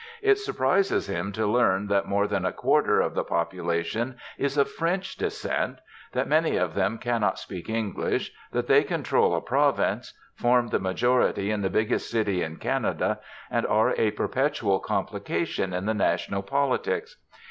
It surprises him to learn that more than a quarter of the population is of French descent, that many of them cannot speak English, that they control a province, form the majority in the biggest city in Canada, and are a perpetual complication in the national politics.